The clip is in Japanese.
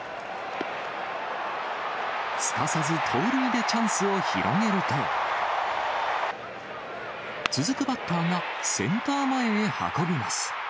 すかさず盗塁でチャンスを広げると、続くバッターがセンター前へ運びます。